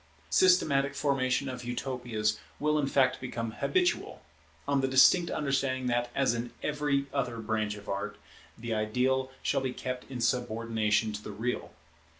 Systematic formation of Utopias will in fact become habitual; on the distinct understanding that, as in every other branch of art, the ideal shall be kept in subordination to the real.